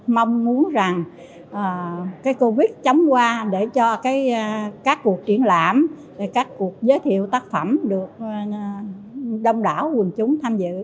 mong muốn rằng cái covid chống qua để cho các cuộc triển lãm các cuộc giới thiệu tác phẩm được đông đảo quần chúng tham dự